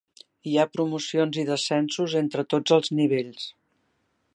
Hi ha promocions i descensos entre tots els nivells.